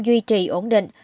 duy trì ổn định